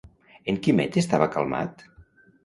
En Quimet estava calmat?